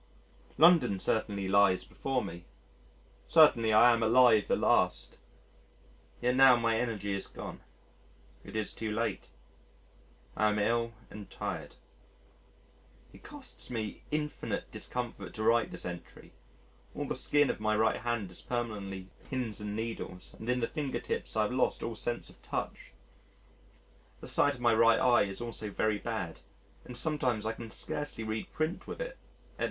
London certainly lies before me. Certainly I am alive at last. Yet now my energy is gone. It is too late. I am ill and tired. It costs me infinite discomfort to write this entry, all the skin of my right hand is permanently "pins and needles" and in the finger tips I have lost all sense of touch. The sight of my right eye is also very bad and sometimes I can scarcely read print with it, etc.